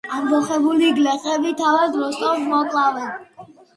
ამბოხებული გლეხები თავად როსტომს მოკლავენ.